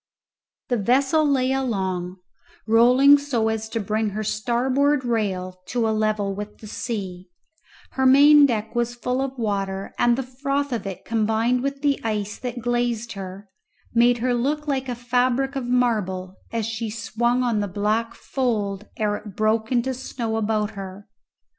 The vessel lay along, rolling so as to bring her starboard rail to a level with the sea; her main deck was full of water, and the froth of it combined with the ice that glazed her made her look like a fabric of marble as she swung on the black fold ere it broke into snow about her.